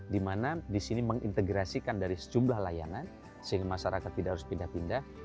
dimana disini mengintegrasikan dari sejumlah layanan sehingga masyarakat tidak harus pindah pindah